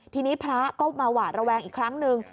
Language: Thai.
ทีนี้พระก็มาหวาดระแวงอีกครั้งหนึ่ง